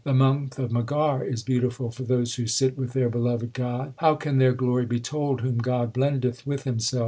The month of Maghar is beautiful for those who sit with their beloved God. How can their glory be told whom God blendeth with Himself